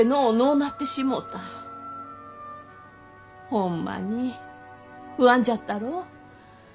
ホンマに不安じゃったろう？